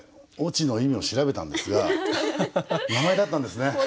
はい「越智」の意味を調べたんですが名前だったんですね。